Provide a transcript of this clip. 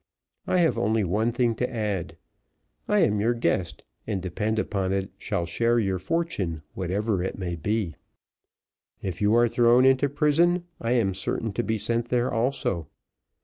I have only one thing to add. I am your guest, and depend upon it, shall share your fortune whatever it may be; if you are thrown into prison, I am certain to be sent there also.